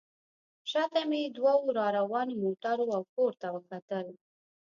شا ته مې دوو راروانو موټرو او کور ته وکتل.